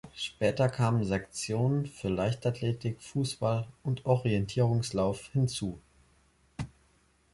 Später kamen Sektionen für Leichtathletik, Fußball und Orientierungslauf hinzu.